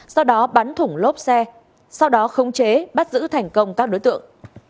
sau đó bắn thủng lốp xe sau đó khống chế bắt giữ thành công các đối tượng